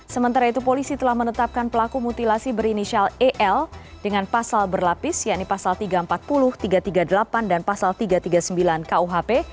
sementara itu polisi telah menetapkan pelaku mutilasi berinisial el dengan pasal berlapis yakni pasal tiga ratus empat puluh tiga ratus tiga puluh delapan dan pasal tiga ratus tiga puluh sembilan kuhp